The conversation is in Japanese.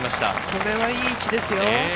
これはいい位置ですよ。